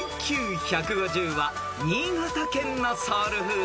［ＩＱ１５０は新潟県のソウルフード］